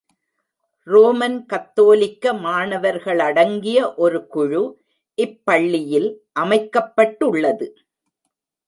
Roman கத்தோலிக்க மாணவர்களடங்கிய ஒரு குழு இப் பள்ளியில், அமைக்கப் பட்டுள்ளது.